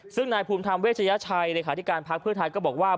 ซึ่งนายภูมิธรรมเวชยชัยเลขาธิการพักเพื่อไทยก็บอกว่า